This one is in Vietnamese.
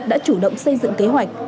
đã chủ động xây dựng kế hoạch